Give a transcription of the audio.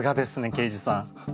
刑事さん。